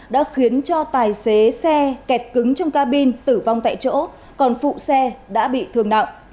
đã khiến cho tài xế xe kẹt cứng trong cabin tử vong tại chỗ còn phụ xe đã bị thương nặng